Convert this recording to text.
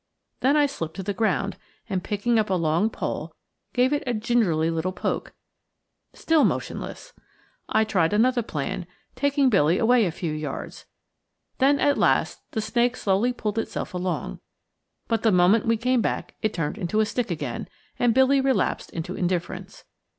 Then I slipped to the ground, and picking up a long pole gave it a gingerly little poke. Still motionless! I tried another plan, taking Billy away a few yards. Then at last the snake slowly pulled itself along. But the moment we came back it turned into a stick again, and Billy relapsed into indifference.